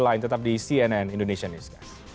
lain tetap di cnn indonesia newscast